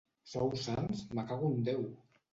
Sou sants, me cago en Déu!